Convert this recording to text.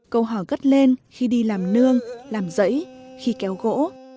câu hò gất lên khi đi làm nương làm dẫy khi kéo gỗ